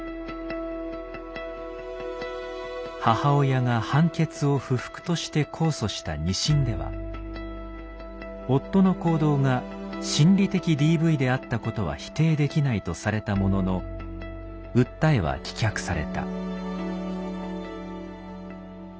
母親が判決を不服として控訴した二審では「夫の行動が心理的ＤＶであったことは否定できない」とされたものの訴えは棄却された。